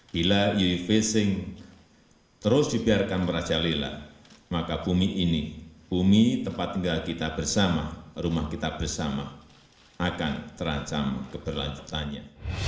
bila euu fishing terus dibiarkan merajalela maka bumi ini bumi tempat tinggal kita bersama rumah kita bersama akan terancam keberlanjutannya